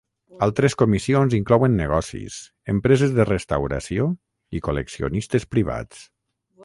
Altres comissions inclouen negocis, empreses de restauració i col·leccionistes privats.